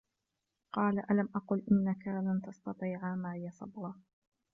قال ألم أقل إنك لن تستطيع معي صبرا